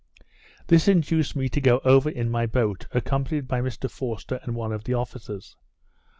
This induced me to go over in my boat, accompanied by Mr Forster and one of the officers.